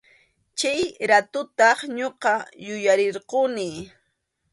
Chay ratutaq ñuqa yuyarirquni.